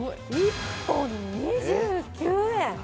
１本２９円。